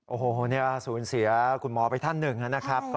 โอ้โหนี่สูญเสียคุณหมอไปท่านหนึ่งนะครับ